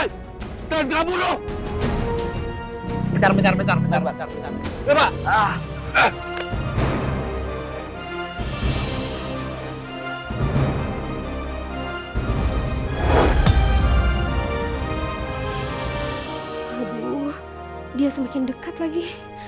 aduh dia semakin dekat lagi